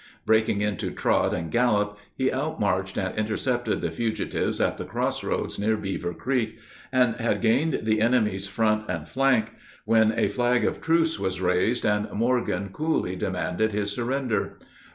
Breaking into trot and gallop, he outmarched and intercepted the fugitives at the cross roads near Beaver Creek, and had gained the enemy's front and flank when a flag of truce was raised, and Morgan coolly demanded his surrender.